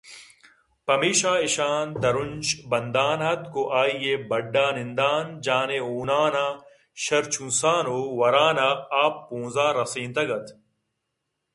پمیشا ایشاں درونج بندان اتک ءُ آئی ءِ بَڈّءَ نندان جان ءِ حوناناں شرچُونسان ءُ وَرَان ءَ آ پونز ءَ رسینتگ ات